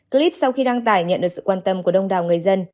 clip sau khi đăng tải nhận được sự quan tâm của đông đảo người dân